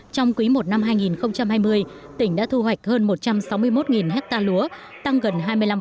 trong quý i năm hai nghìn hai mươi tỉnh đã thu hoạch hơn một trăm sáu mươi một ha lúa tăng gần hai mươi năm